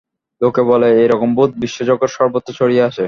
লোকে বলে, এই রকম ভূত বিশ্বজগতে সর্বত্র ছড়িয়ে আছে।